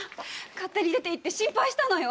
勝手に出ていって心配したのよ。